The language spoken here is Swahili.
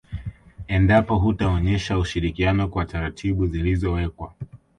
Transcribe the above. Endapo hutaonyesha ushirikiano kwa taratibu zilizowekwa